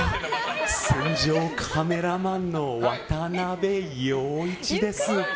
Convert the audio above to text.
戦場カメラマンの渡部陽一です。